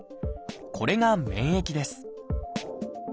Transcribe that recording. これが免疫です。